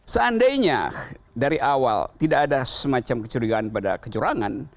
seandainya dari awal tidak ada semacam kecurigaan pada kecurangan